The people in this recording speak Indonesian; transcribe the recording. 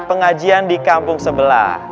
pengajian di kampung sebelah